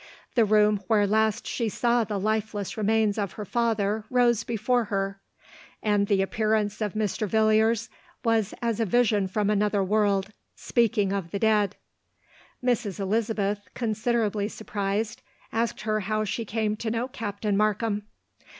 The room where last she saw the lifeless remains of her father rose before her ; and the appearance of Mr. Villiers was as s vision from another world, speaking of the dead. Mrs. Elizabeth, considerably surprised, asked her how she came to know Captain Markham.